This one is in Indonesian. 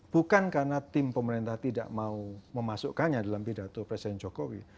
bukan karena tim pemerintah tidak mau memasukkannya dalam pidato presiden jokowi